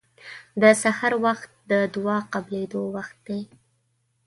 د سحر وخت د دعا قبلېدو وخت دی.